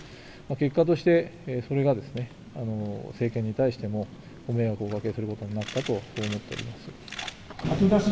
結果として、それが政権に対してもご迷惑をおかけすることになったと、こう思っております。